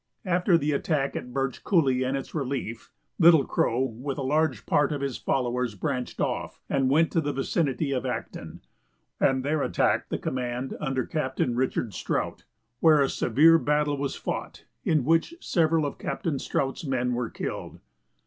After the attack at Birch Coulie and its relief, Little Crow, with a large part of his followers, branched off, and went to the vicinity of Acton, and there attacked the command under Capt. Richard Strout, where a severe battle was fought, in which several of Captain Strout's men were killed.